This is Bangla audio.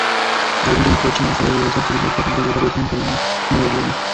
আর্জেন্টাইন কোচ মার্সেলো বিয়েলসার চিলির পক্ষে একমাত্র গোলটা করেছিলেন ফ্যাবিয়ান ওরেল্লানা।